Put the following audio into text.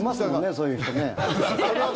そういう人ね。